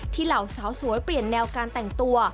เหล่าสาวสวยเปลี่ยนแนวการแต่งตัว